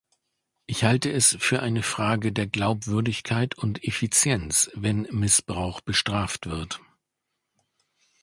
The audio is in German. Ich halte es für eine Frage der Glaubwürdigkeit und Effizienz, wenn Missbrauch bestraft wird.